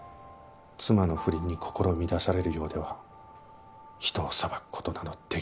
妻の不倫に心乱されるようでは人を裁く事など出来ません。